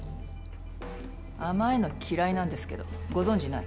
甘いの嫌いなんですけどご存じない？